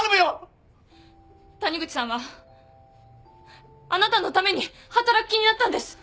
谷口さんはあなたのために働く気になったんです。